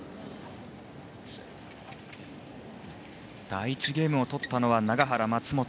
第１ゲームを取ったのは永原、松本。